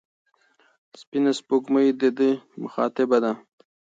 سپینه سپوږمۍ د ده مخاطبه ده.